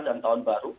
dan tahun baru